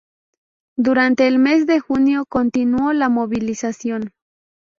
Durante el mes de junio continuó la movilización.